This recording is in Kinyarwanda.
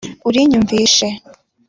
urinyumvishe?